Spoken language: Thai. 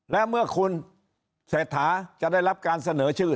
และเมื่อคุณเศรษฐาจะได้รับการเสนอชื่อ